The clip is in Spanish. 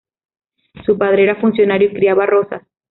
Su padre era funcionario y criaba rosas.